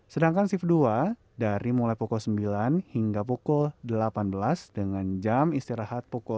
sedangkan shift dua dari mulai pukul sembilan hingga pukul delapan belas dengan jam istirahat pukul